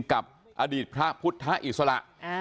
กับอดีตพระพุทธอิสระ